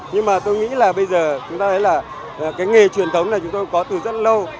nhưng mà tôi nghĩ là bây giờ chúng ta thấy là cái nghề truyền thống này chúng tôi có từ rất lâu